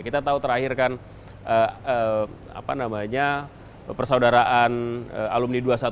kita tahu terakhir kan persaudaraan alumni dua ratus dua belas